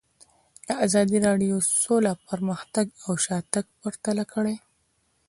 ازادي راډیو د سوله پرمختګ او شاتګ پرتله کړی.